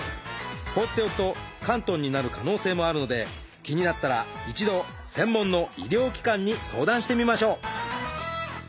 放っておくと嵌頓になる可能性もあるので気になったら一度専門の医療機関に相談してみましょう。